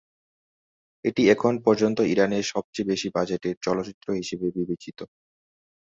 এটি এখন পর্যন্ত ইরানের সবচেয়ে বেশি বাজেটের চলচ্চিত্র হিসেবে বিবেচিত।